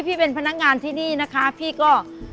พี่เป็นพนักงานที่นี่นะคะพี่ก็